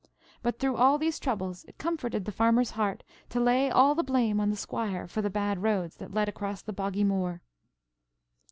But through all these troubles it comforted the Farmer's heart to lay all the blame on the Squire for the bad roads that led across the boggy moor.